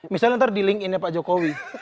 misalnya ntar di link innya pak jokowi